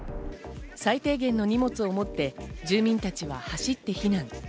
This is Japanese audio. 最低限の荷物を持って住民たちは走って避難。